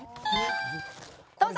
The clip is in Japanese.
どうぞ！